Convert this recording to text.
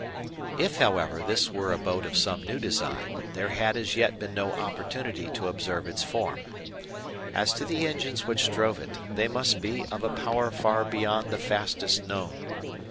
If, however, this were a boat of some new design, there had as yet been no opportunity to observe its form. As to the engines which drove it, they must be of a power far beyond the fastest known.